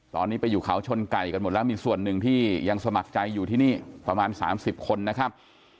ตอนนี้ไปอยู่เขาชนไก่กันหมดแล้วมีส่วนหนึ่งที่ยังสมัครใจอยู่ที่นี่ประมาณ๓๐คนนะครับ